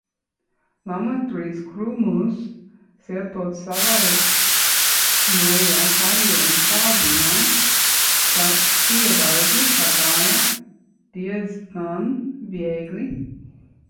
Lauma drīz krūmus cērtot savainoja kāju un tā viņai tie darbi pagāja diezgan viegli.